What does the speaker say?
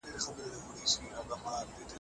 د خدمت قانون بریالیتوب زیاتوي.